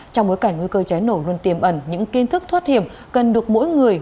trong bối cảnh nguy cơ cháy nổ luôn tiềm ẩn những kiến thức thoát hiểm cần được mỗi người